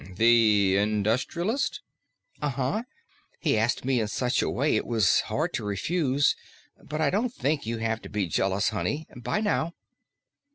"Hm the industrialist?" "Uh huh. He asked me in such a way it was hard to refuse. But I don't think you have to be jealous, honey. 'Bye now."